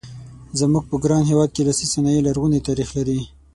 زموږ په ګران هېواد کې لاسي صنایع لرغونی تاریخ لري.